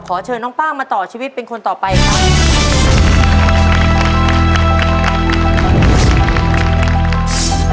เชิญน้องป้างมาต่อชีวิตเป็นคนต่อไปครับ